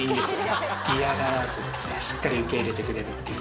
嫌がらずしっかり受け入れてくれるっていう。